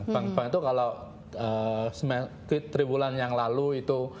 bank bank itu kalau tiga bulan yang lalu itu